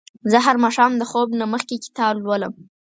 زه هر ماښام د خوب نه مخکې کتاب لولم.